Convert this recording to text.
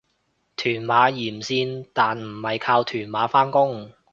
屯馬沿線但唔係靠屯馬返工